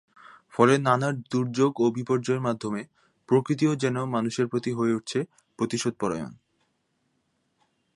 ফলে নানা দুর্যোগ বিপর্যয়ের মাধ্যমে প্রকৃতিও যেন মানুষের প্রতি হয়ে উঠেছে প্রতিশোধপরায়ন।